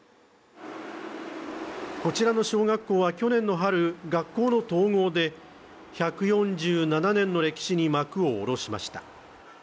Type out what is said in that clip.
こちらの小学校は去年の春、学校の統合で１４７年の歴史に幕を下ろしました。